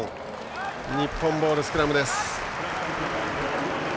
日本ボールのスクラムです。